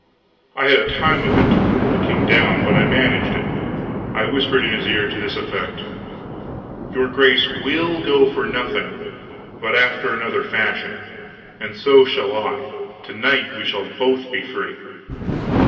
I had a time of it to cool the king down, but I managed it. I whispered in his ear, to this effect: "Your grace will go for nothing, but after another fashion. And so shall I. To night we shall both be free."